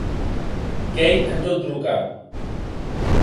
Qu’ei en tot brocar.